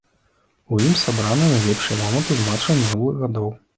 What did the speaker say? У ім сабраныя найлепшыя моманты з матчаў мінулых гадоў.